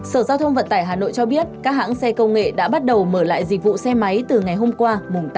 sở giao thông vận tải hà nội cho biết các hãng xe công nghệ đã bắt đầu mở lại dịch vụ xe máy từ ngày hôm qua tám